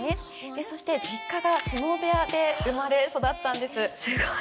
でそして実家が相撲部屋で生まれ育ったんですすごい！